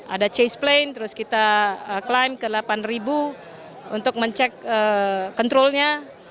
ada chase plane terus kita climb ke delapan ribu untuk mencek kontrolnya